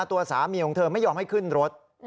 ตัวสามีของเธอไม่ยอมให้ขึ้นรถ